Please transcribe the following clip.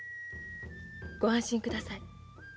ご安心ください。